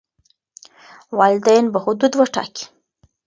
والدین به حدود وټاکي.